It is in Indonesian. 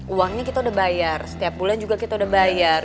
uangnya kita udah bayar setiap bulan juga kita udah bayar